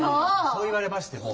そう言われましても。